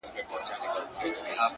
علم د پرمختګ سرعت لوړوي!